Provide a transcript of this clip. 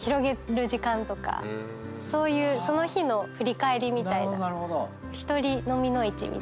そういうその日の振り返りみたいな。